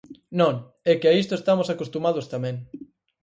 Non, é que a isto estamos acostumados tamén.